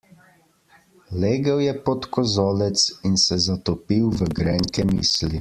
Legel je pod kozolec in se zatopil v grenke misli.